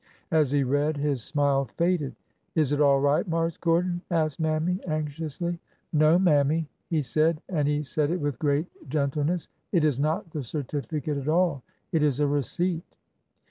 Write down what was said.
As he read, his smile faded. " Is it all right, Marse Gordon?" asked Mammy, anx iously. '' No, Mammy," he said — and he said it with great gen tleness ;" it is not the certificate at all. It is a receipt."